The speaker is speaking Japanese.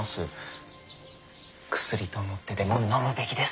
薬と思ってでも飲むべきです。